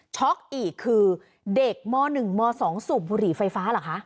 อีกคือเด็กม๑ม๒สูบบุหรี่ไฟฟ้าเหรอคะ